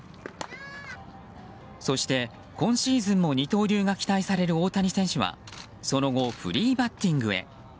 そして、今シーズンも二刀流が期待される大谷選手はその後フリーバッティングへ。